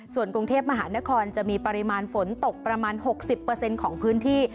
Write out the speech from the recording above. ส่วนกรุงเทพมหานครจะมีปริมาณฝนตกประมาณ๖๐ของพื้นที่